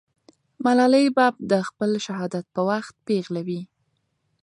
ملالۍ به د خپل شهادت په وخت پېغله وي.